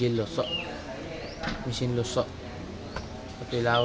aku mau bawa perang